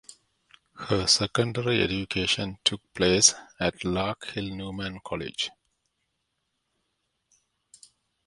Her secondary education took place at Lark Hill Newman College.